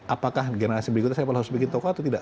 apakah generasi berikutnya saya harus bikin toko atau tidak